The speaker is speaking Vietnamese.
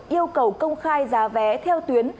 yêu cầu công khai giá vé theo tuyến